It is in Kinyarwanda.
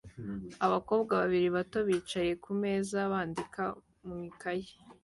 Abakobwa babiri bato bicaye kumeza bandika mu ikaye